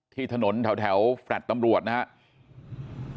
ที่ถนนแถวแฟลต์ตำรวจนะครับ